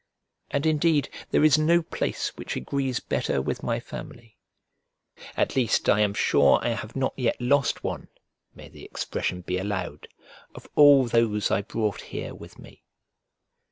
And indeed there is no place which agrees better with my family, at least I am sure I have not yet lost one (may the expression be allowed!) of all those I brought here with me.